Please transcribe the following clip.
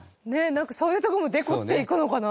なんかそういうとこもデコっていくのかな？